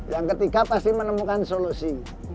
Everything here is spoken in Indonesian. yang ketiga pasti menemukan solusi